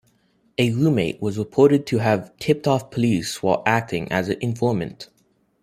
A room-mate was reported to have tipped off police, while acting as an informant.